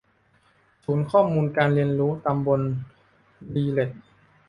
ศูนย์ข้อมูลการเรียนรู้ตำบลลีเล็ด